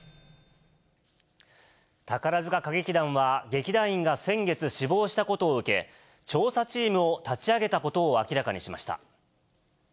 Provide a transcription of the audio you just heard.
宝塚歌劇団は、劇団員が先月死亡したことを受け、調査チームを立ち上げたことを明らかにしました。